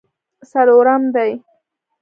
څلورم دی.